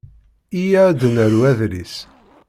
Iyya ad d-naru adlis.